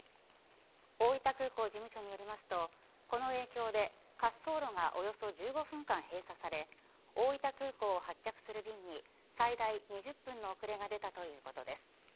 大分空港事務所によりますとこの影響で滑走路がおよそ１５分間閉鎖され大分空港を発着する便に最大２０分の遅れが出たということです。